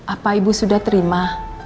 apa ibu sudah terima